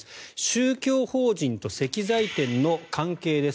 宗教法人と石材店の関係です。